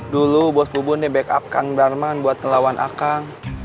dulu bos bubun di backup kang darman buat ngelawan akang